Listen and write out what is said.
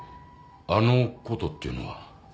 あのことっていうのは？